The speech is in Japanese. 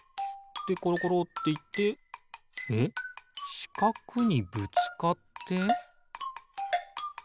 でころころっていってえっしかくにぶつかって？